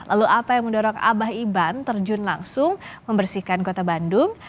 lalu apa yang mendorong abah iban terjun langsung membersihkan kota bandung